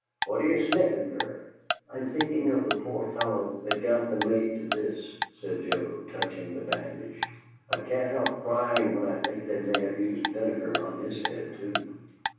"What are ye sniffin' fer?" "I'm thinking of the poor fellow that got the mate to this," said Joe, touching the bandage. "I can't help crying when I think they may have used vinegar on his head, too."